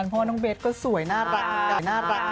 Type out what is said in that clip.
เพราะว่าน้องเบสก็สวยน่ารัก